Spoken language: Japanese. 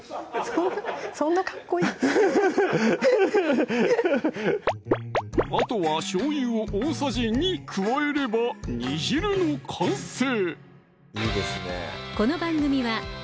そんなかっこいいあとはしょうゆを大さじ２加えれば煮汁の完成！